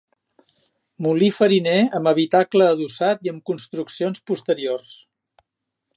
Molí fariner amb habitacle adossat i amb construccions posteriors.